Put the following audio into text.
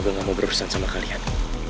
karena gue gak mau berurusan sama kalian